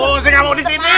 oh saya gak mau disini